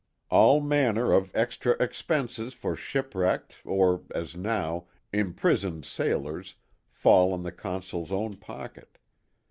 All manner of extra expenses for shipwrecked or as now, imprisoned sailors fall on the Consul's own pocket.